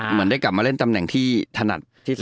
เหมือนได้กลับมาเล่นตำแหน่งที่ถนัดที่สุด